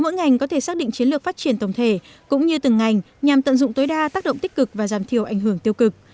ngành có thể xác định chiến lược phát triển tổng thể cũng như từng ngành nhằm tận dụng tối đa tác động tích cực và giảm thiểu ảnh hưởng tiêu cực